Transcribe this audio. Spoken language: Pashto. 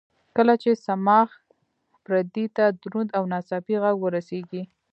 کله چې صماخ پردې ته دروند او ناڅاپي غږ ورسېږي.